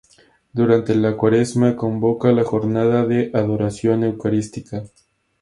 Durante la cuaresma convoca la jornada de adoración eucarística.